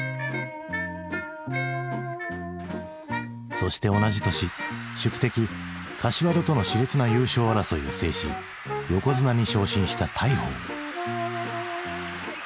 そして同じ年宿敵柏戸とのしれつな優勝争いを制し横綱に昇進した大鵬。